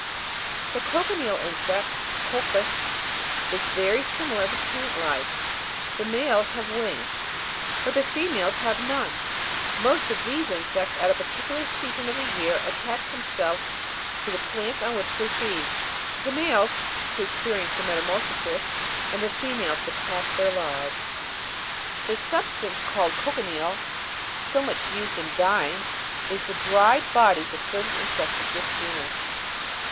9. The cochineal insect (Coccus) is very similar to plant lice. The males (fig 39) have wings, but the females (fig* 40) have none. Most of these insects at a particular season of the year attach themselves to the plants on which they feed ; the males to experi ence their metamorphosis, and the females to pass their lives. The sub stance called cochineal, so much used in dyeing, is the dried bodies of certain insects of this genus.